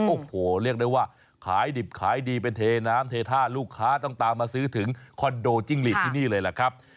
โอ้โหเรียกได้ว่าขายดิบขายดีเป็นเทน้ำเทท่าลูกค้าต้องตามมาซื้อถึงคอนโดจิ้งหลีดที่นี่เลยล่ะครับ